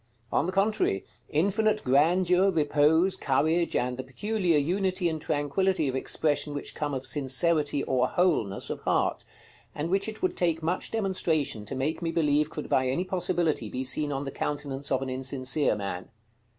On the contrary, infinite grandeur, repose, courage, and the peculiar unity and tranquillity of expression which come of sincerity or wholeness of heart, and which it would take much demonstration to make me believe could by any possibility be seen on the countenance of an insincere man.